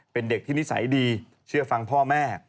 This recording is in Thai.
เป็นเด็กที่นิสัยดีเชื่อฟังพ่อแม่